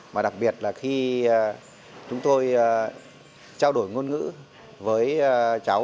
mà đặc biệt là khi chúng tôi trao đổi ngôn ngữ với cháu